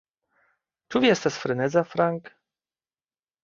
Ĉu vi estas freneza, Frank?